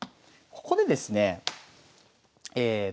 ここでですねえ